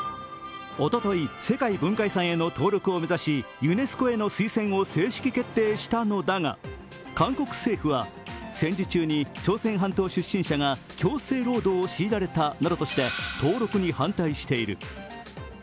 おととい、世界文化遺産への登録を目指しユネスコへの推薦を正式決定したのだが韓国政府は戦時中に朝鮮半島出身者が強制労働を強いられたなどとして登録に反対している。